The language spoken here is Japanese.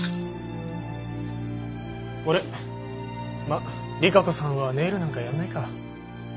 まあ里香子さんはネイルなんかやらないか。